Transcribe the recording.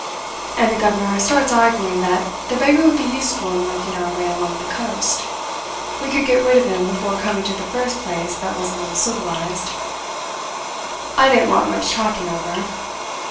"And the governor starts arguing that the beggar would be useful in working our way along the coast. We could get rid of him before coming to the first place that was a little civilized. I didn't want much talking over.